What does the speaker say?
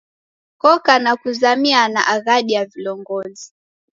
Koka na kuzamiana aghadi ya vilongozi.